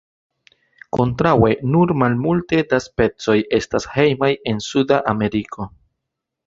Kontraŭe nur malmulte da specoj estas hejmaj en suda Ameriko.